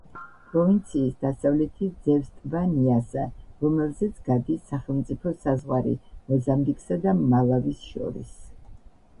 პროვინციის დასავლეთით ძევს ტბა ნიასა, რომელზეც გადის სახელმწიფო საზღვარი მოზამბიკსა და მალავის შორის.